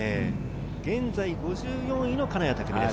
現在５４位の金谷拓実です。